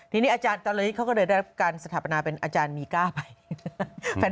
ทีนี้ตอนนี้เขาก็ได้รับการสถาปนาเป็นอาจารย์มีก้า